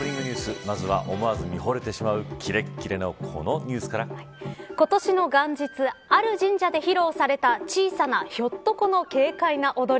まずは思わず見惚れてしまうキレッキレのこのニュースから今年の元日ある神社で披露された小さなひょっとこの軽快な踊り。